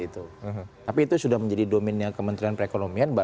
tapi itu sudah menjadi domennya kementerian perekonomian